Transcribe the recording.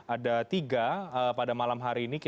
ada tiga pada malam hari ini